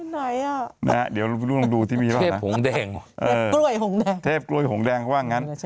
ที่ไหนเดี๋ยวเราลองดูที่มีแล้วแบบเทพกล้วยหงแดงว่างั้น